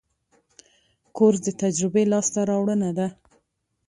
کورس د تجربې لاسته راوړنه ده.